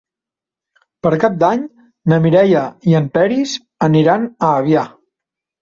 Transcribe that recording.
Per Cap d'Any na Mireia i en Peris aniran a Avià.